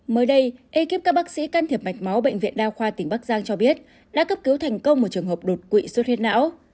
mới đây ekip các bác sĩ can thiệp mạch máu bệnh viện đa khoa tỉnh bắc giang cho biết đã cấp cứu thành công một trường hợp đột quỵ sốt huyết não